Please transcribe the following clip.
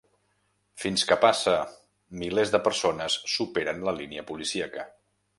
Fins que passa… Milers de persones superen la línia policíaca.